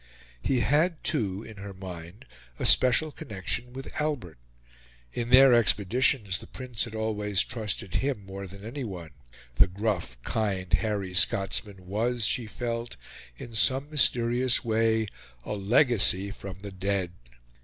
He had, too, in her mind, a special connection with Albert. In their expeditions the Prince had always trusted him more than anyone; the gruff, kind, hairy Scotsman was, she felt, in some mysterious way, a legacy from the dead.